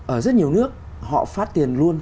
ở rất nhiều nước họ phát tiền luôn